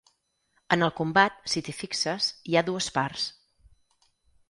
En el combat, si t’hi fixes, hi ha dues parts.